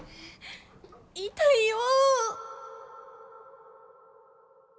痛いよう！